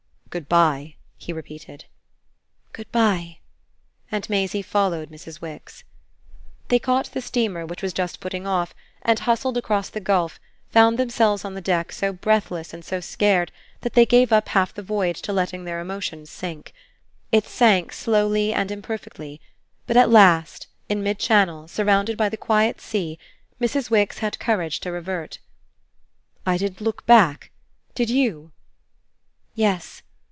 "Good bye," he repeated. "Good bye." And Maisie followed Mrs. Wix. They caught the steamer, which was just putting off, and, hustled across the gulf, found themselves on the deck so breathless and so scared that they gave up half the voyage to letting their emotion sink. It sank slowly and imperfectly; but at last, in mid channel, surrounded by the quiet sea, Mrs. Wix had courage to revert. "I didn't look back, did you?" "Yes.